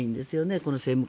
この政務官。